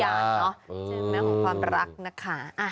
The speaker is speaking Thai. ใช่ไหมของความรักนะคะ